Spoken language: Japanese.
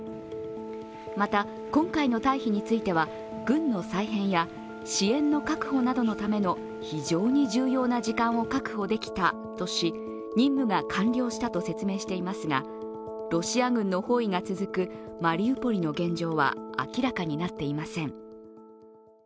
また、今回の退避については軍の再編や支援の確保などのための非常に重要な時間を確保できたとし、任務が完了したと説明していますが、ロシア軍の包囲が続くマリウポリの現状は明らかになっていません。